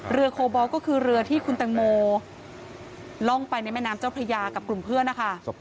โคบอลก็คือเรือที่คุณแตงโมล่องไปในแม่น้ำเจ้าพระยากับกลุ่มเพื่อนนะคะ